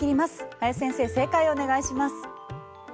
林先生、正解をお願いします。